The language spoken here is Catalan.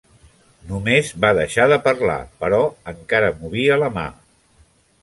Només va deixar de parlar, però encara movia la mà.